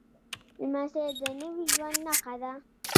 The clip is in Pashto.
لمسی د نوي ژوند نښه ده.